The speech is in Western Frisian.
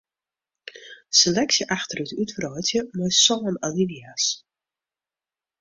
Seleksje achterút útwreidzje mei sân alinea's.